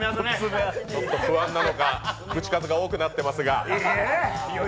ちょっと不安なのか口数が多くなっていますが。